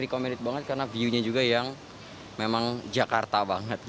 karena view nya juga yang memang jakarta banget